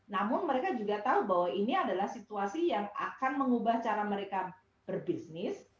namun mereka juga tahu bahwa ini adalah situasi yang akan mengubah cara mereka berbisnis